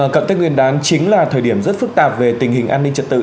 cận tết nguyên đán chính là thời điểm rất phức tạp về tình hình an ninh trật tự